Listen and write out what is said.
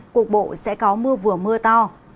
cục bộ sẽ có mưa vừa mưa to